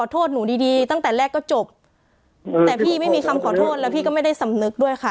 แต่พี่ไม่มีคำขอโทษแล้วพี่ก็ไม่ได้สำนึกด้วยค่ะ